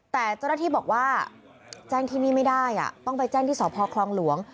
แต่เจ้าหน้าที่บอกว่าแจ้งที่นี่ไม่ได้ต้องไปแจ้งที่สพคลองหลวง